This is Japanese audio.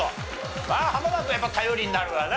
まあ濱田君はやっぱ頼りになるわな。